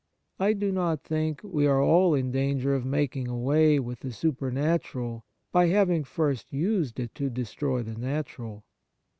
I do think we are all in danger of making away with the supernatural by having first used it to destroy the natural.